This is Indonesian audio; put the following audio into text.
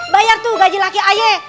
bayar tuh gaji laki ayah